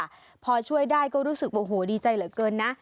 ครึ่งพอช่วยได้ก็รูอภกดีใจเหลือเกินนะ